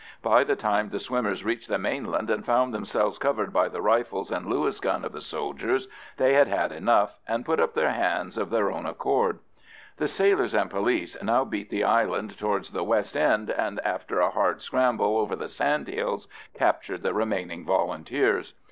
By the time the swimmers reached the mainland, and found themselves covered by the rifles and Lewis gun of the soldiers, they had had enough, and put up their hands of their own accord. The sailors and police now beat the island towards the west end, and after a hard scramble over the sand hills captured the remaining Volunteers.